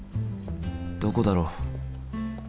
どこだろう？